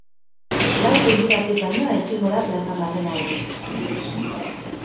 Lau puntutatik baino ezingo da plazan barrena egin.